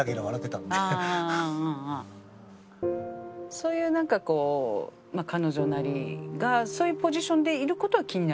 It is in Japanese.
そういうなんかこう彼女なりがそういうポジションでいる事は気にならない？